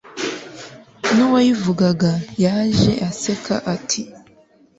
n'uwayivugaga yaje aseka ati